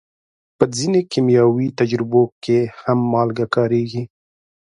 په ځینو کیمیاوي تجربو کې هم مالګه کارېږي.